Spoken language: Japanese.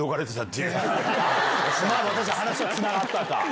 話はつながったか。